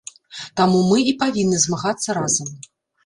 Таму мы і павінны змагацца разам.